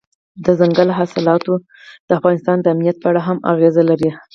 دځنګل حاصلات د افغانستان د امنیت په اړه هم اغېز لري.